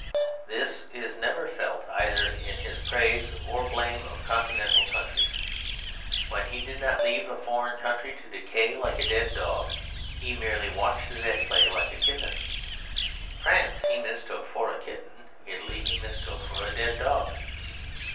This is never felt either in his praise or blame of Continental countries. When he did not leave a foreign country to decay like a dead dog, he merely watched it at play like a kitten. France he mistook for a kitten. Italy he mistook for a dead dog.